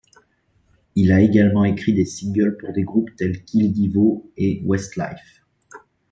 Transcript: Il a également écrit des singles pour des groupes tels qu'Il Divo et Westlife.